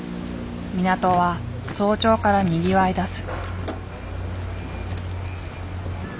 港は早朝からにぎわいだす。